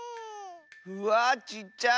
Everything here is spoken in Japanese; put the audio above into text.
うわあちっちゃい！